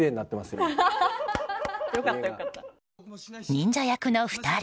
忍者役の２人。